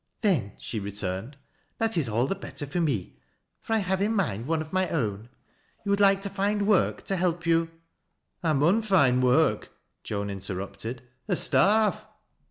" Then," she returned, " that is all the better for me, fOT I have in my mind one of my own. Tou would like tc find work'to help you "" I mun find work," Joan interrupted, " or star\'e."